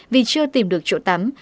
vì chưa tìm được chỗ tắm